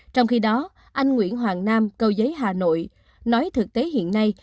trong khi đó anh nguyễn hoàng nam cầu giấy hà nội nói thực tế hiện nay